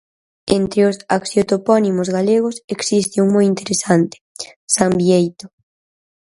Entre os haxiotopónimos galegos existe un moi interesante, San Bieito.